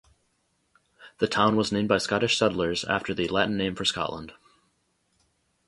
The town was named by Scottish settlers after the Latin name for Scotland.